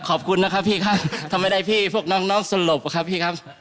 ก็ขอบคุณนะคะพี่ครับทำให้ได้พี่พวกน้องสลบค่ะพี่ครับ